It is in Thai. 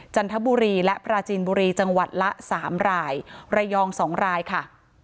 จันทบุรีและปราจีนบุรีจังหวัดละ๓รายระยอง๒รายค่ะ